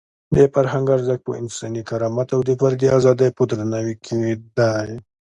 د فرهنګ ارزښت په انساني کرامت او د فردي ازادۍ په درناوي کې دی.